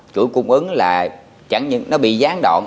chủi cung ứng là chẳng những nó bị gián đoạn